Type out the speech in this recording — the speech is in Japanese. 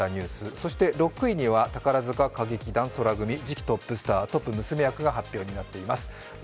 そして６位には、宝塚歌劇団宙組、次期トップスタートップ娘役が発表されています。